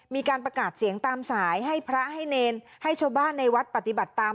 มีการประกาศเสียงตามสายให้พระให้เนรให้ชาวบ้านในวัดปฏิบัติตาม